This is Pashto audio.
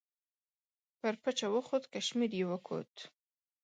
پر پچه وخوت کشمیر یې وکوت.